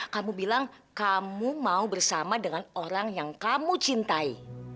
kamu bilang kamu mau bersama dengan orang yang kamu cintai